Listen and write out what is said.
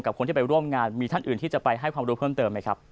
คนที่ไปร่วมงานมีท่านอื่นที่จะไปให้ความรู้เพิ่มเติมไหมครับ